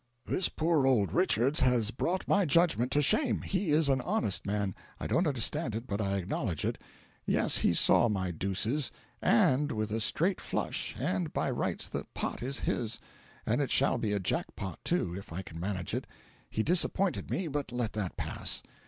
This poor old Richards has brought my judgment to shame; he is an honest man: I don't understand it, but I acknowledge it. Yes, he saw my deuces AND with a straight flush, and by rights the pot is his. And it shall be a jack pot, too, if I can manage it. He disappointed me, but let that pass.'